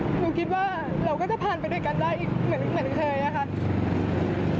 หนูคิดว่าเราก็จะผ่านไปด้วยกันได้อีกเหมือนเคยอะค่ะ